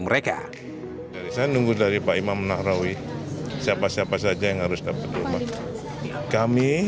mereka dari saya nunggu dari pak imam nahrawi siapa siapa saja yang harus dapat rumah kami